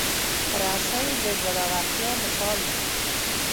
رسۍ د زړورتیا مثال دی.